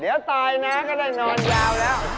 เดี๋ยวตายนะก็ได้นอนยาวแล้ว